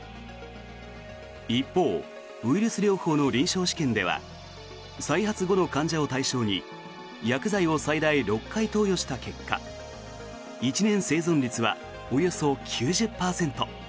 一方、ウイルス療法の臨床試験では再発後の患者を対象に薬剤を最大６回投与した結果１年生存率はおよそ９０％。